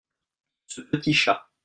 Ce petit chat.